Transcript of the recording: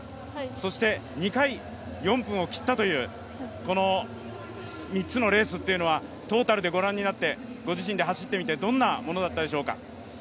そして２回４分を切ったというこの３つのレースというのはトータルでご覧になってご自身で走ってみてどんなものだったでしょうか。